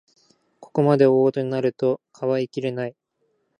ここまで大ごとになると、かばいきれない